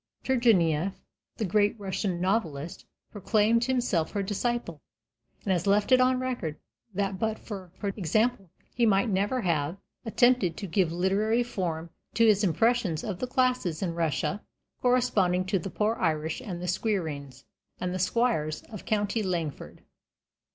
Turgenief, the great Russian novelist, proclaimed himself her disciple, and has left it on record that but for her example he might never have attempted to give literary form to his impressions of the classes in Russia corresponding to the poor Irish and the squireens and the squires of county Longford.